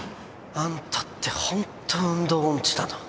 あんたってホント運動音痴だな。